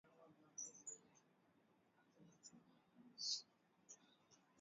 Walitumwa hapo awali ilikusudia kudumu kwa miezi sita